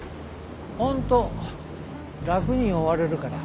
本当楽に終われるから。